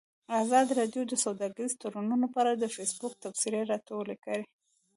ازادي راډیو د سوداګریز تړونونه په اړه د فیسبوک تبصرې راټولې کړي.